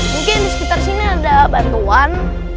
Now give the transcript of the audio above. mungkin disekitar sini ada bantuan